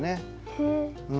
へえ。